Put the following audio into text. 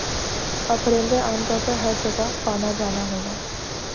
اورپرندے عام طور پر ہَر جگہ پانا جانا ہونا